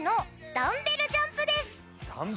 ダンベルジャンプ？